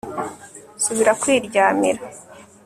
subira kwiryamira